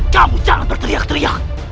kamu jangan berteriak teriak